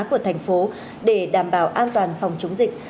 của thành phố để đảm bảo an toàn phòng chống dịch